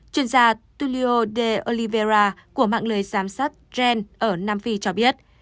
chuyên gia tulio de oliveira của mạng lời giám sát gen ở nam phi cho biết